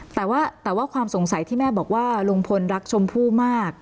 แต่ว่าแต่ว่าความสงสัยที่แม่บอกว่าลุงพลรักชมพู่มาก